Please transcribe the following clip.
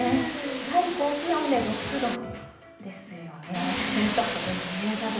最高気温で６度ですよね、寒い。